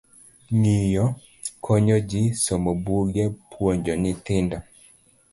Ng'iyo: konyo ji, somo buge, puonjo nyithindo.